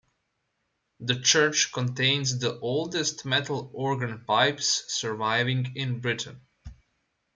The church contains the oldest metal organ pipes surviving in Britain.